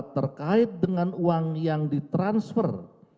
terkait dengan uang yang ditransfer